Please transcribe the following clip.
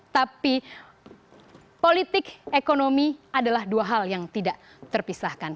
tapi politik ekonomi adalah dua hal yang tidak terpisahkan